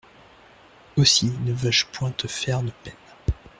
Aussi ne veux-je point te faire de peine.